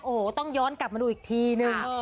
โอ้โหต้องย้อนกลับมาดูอีกทีนึง